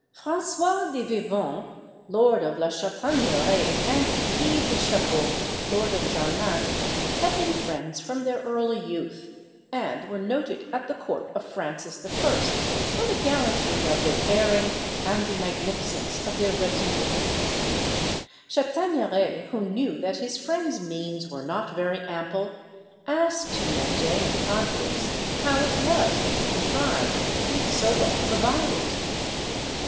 François de Vivonne, lord of La Chataigneraie, and Guy de Chabot, lord of Jarnac, had been friends from their early youth, and were noted at the court of Francis I. for the gallantry of their bearing and the magnificence of their retinue. Chataigneraie, who knew that his friend's means were not very ample, asked him one day in confidence how it was that he contrived to be so well provided?